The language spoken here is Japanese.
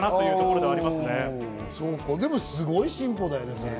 でも、すごい進歩だね。